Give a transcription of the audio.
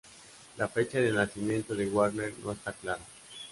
La fecha de nacimiento de Warner no está clara.